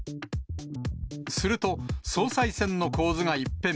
すると、総裁選の構図が一変。